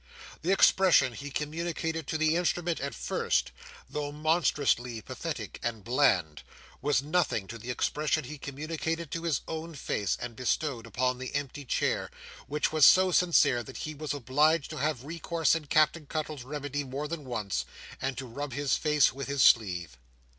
The expression he communicated to the instrument at first, though monstrously pathetic and bland, was nothing to the expression he communicated to his own face, and bestowed upon the empty chair: which was so sincere, that he was obliged to have recourse to Captain Cuttle's remedy more than once, and to rub his face with his sleeve.